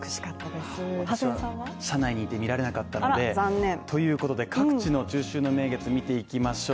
私は社内にいて見られなかったのでということで各地の中秋の名月見ていきましょう